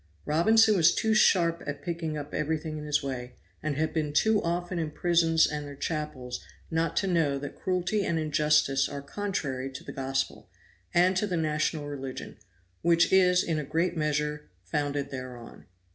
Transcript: Robinson was too sharp at picking up everything in his way, and had been too often in prisons and their chapels not to know that cruelty and injustice are contrary to the Gospel, and to the national religion, which is in a great measure founded thereon.